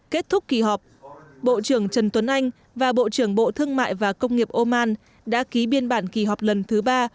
kết thúc kỳ họp bộ trưởng trần tuấn anh và bộ trưởng bộ thương mại và công nghiệp oman đã ký biên bản kỳ họp lần thứ ba